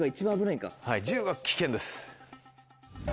はい１０は危険です。